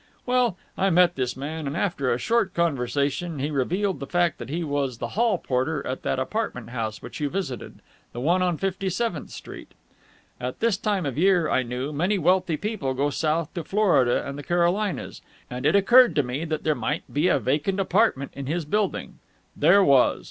Well, I met this man, and, after a short conversation, he revealed the fact that he was the hall porter at that apartment house which you visited, the one on Fifty Seventh Street. At this time of the year, I knew, many wealthy people go south, to Florida and the Carolinas, and it occurred to me that there might be a vacant apartment in his building. There was.